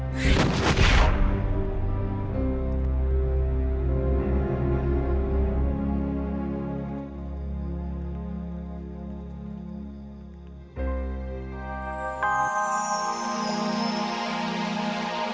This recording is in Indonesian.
sebasari suatu saat